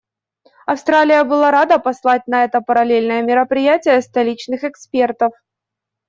Австралия была рада послать на это параллельное мероприятие столичных экспертов.